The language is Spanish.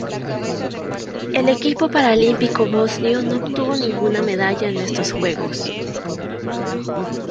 El equipo paralímpico bosnio no obtuvo ninguna medalla en estos Juegos.